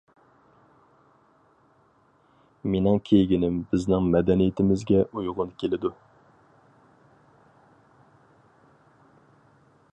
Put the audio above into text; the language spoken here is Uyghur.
مېنىڭ كىيگىنىم بىزنىڭ مەدەنىيىتىمىزگە ئۇيغۇن كېلىدۇ.